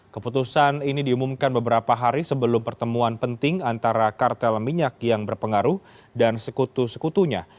keputusan ini diumumkan beberapa hari sebelum pertemuan penting antara kartel minyak yang berpengaruh dan sekutu sekutunya